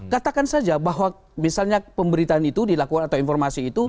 katakan saja bahwa misalnya pemberitaan itu dilakukan atau informasi itu